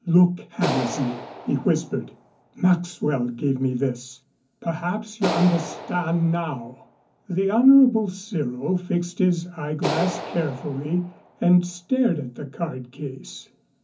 "Look, Hammersley," he whispered. "Maxwell gave me this! Perhaps you understand now." The Honorable Cyril fixed his eyeglass carefully and stared at the card case.